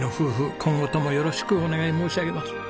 今後ともよろしくお願い申し上げます。